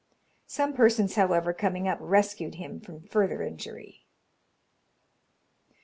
Some persons, however, coming up, rescued him from further injury.